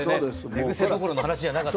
寝ぐせどころの話じゃなかった。